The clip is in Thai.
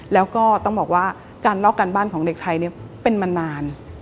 แล้วก็ต้องบอกว่าการลอกการบ้านของเด็กไทยเป็นมานาน